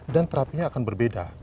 dan terapinya akan berbeda